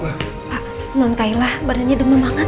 pak nong kaila badannya demam banget